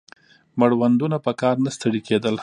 مړوندونه په کار نه ستړي کېدل